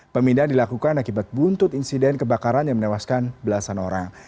pemindahan dilakukan akibat buntut insiden kebakaran yang menewaskan belasan orang